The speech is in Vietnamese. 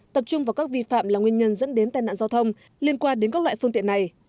tập trung vào các vi phạm là nguyên nhân dẫn đến tai nạn giao thông liên quan đến các loại phương tiện này